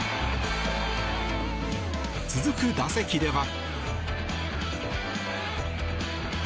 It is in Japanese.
続く打席では。